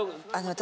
私。